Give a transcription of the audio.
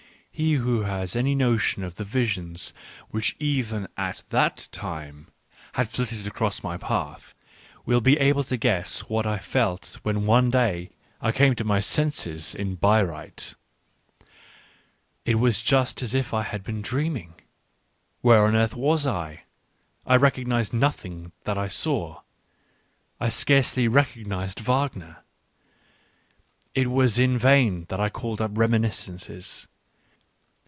He who has any notion of the visions which even at that time had flitted across my path, will be able to guess what I felt when one day I came to my senses in Bay reuth. It was just as if I had been dreaming. Where on earth was I ? I recognised nothing that I saw ; I scarcely recognised Wagner. It was in vain that I called up reminiscences.